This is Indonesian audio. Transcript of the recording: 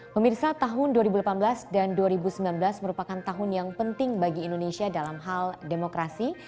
pemirsa tahun dua ribu delapan belas dan dua ribu sembilan belas merupakan tahun yang penting bagi indonesia dalam hal demokrasi